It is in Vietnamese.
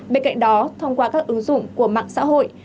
bên cạnh đó thông qua các ứng dụng của mạng xã hội